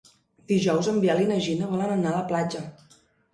Dijous en Biel i na Gina volen anar a la platja.